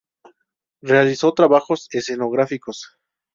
Realizó trabajos escenográficos.